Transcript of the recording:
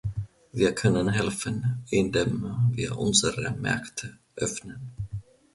Wir können helfen, indem wir unsere Märkte öffnen.